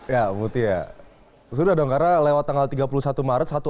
ya mutia sudah dong karena lewat tanggal tiga puluh satu maret